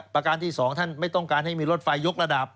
ประการที่๒ท่านไม่ต้องการให้มีรถไฟยกระดับ